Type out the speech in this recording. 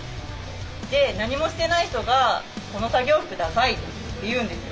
で何もしてない人が「この作業服ダサい」って言うんですよ。